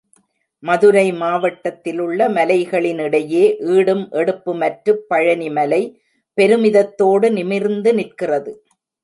மதுரை மாவட்டத்திலுள்ள மலைகளினிடையே ஈடும் எடுப்புமற்றுப் பழனிமலை பெருமிதத்தோடு நிமிர்ந்து நிற்கிறது.